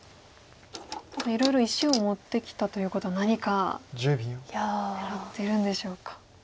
ただいろいろ石を持ってきたということは何か狙ってるんでしょうか。